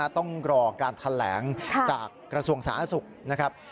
ต้องรอการแถลงจากกระทรวงสาธารณสุขนะครับ